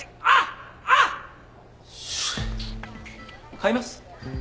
買います。